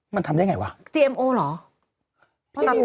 มันทำได้ยังไงวะ